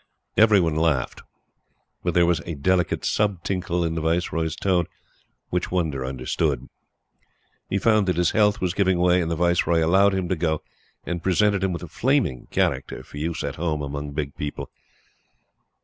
Every one laughed; but there was a delicate subtinkle in the Viceroy's tone which Wonder understood. He found that his health was giving way; and the Viceroy allowed him to go, and presented him with a flaming "character" for use at Home among big people.